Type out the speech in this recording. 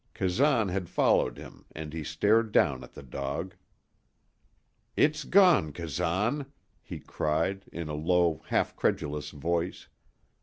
Kazan had followed him, and he stared down at the dog. "It's gone, Kazan," he cried, in a low, half credulous voice.